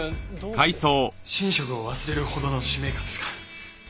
寝食を忘れるほどの使命感ですか。